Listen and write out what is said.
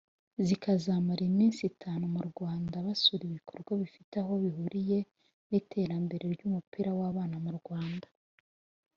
zikazamara iminsi itanu mu Rwanda basura ibikorwa bifite aho bihuriye n’iterambere ry’umupira w’abana mu Rwanda